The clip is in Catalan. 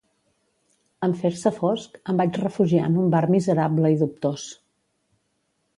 En fer-se fosc em vaig refugiar en un bar miserable i dubtós.